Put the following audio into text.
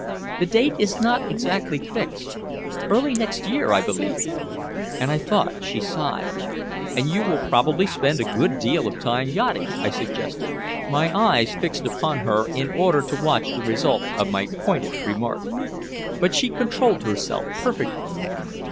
"The date is not exactly fixed early next year, I believe," and I thought she sighed. "And you will probably spend a good deal of time yachting?" I suggested, my eyes fixed upon her in order to watch the result of my pointed remark. But she controlled herself perfectly.